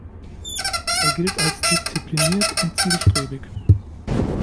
Er gilt als diszipliniert und zielstrebig.